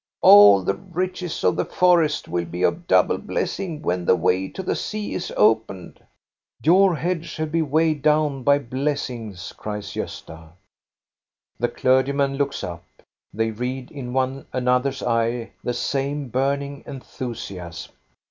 "All the riches of the forest will be of double blessing when the way to the sea is opened." Your head shall be weighed down by blessings," cries Gosta. The clergyman looks up. They read in one an other's eyes the same burning enthusiasm.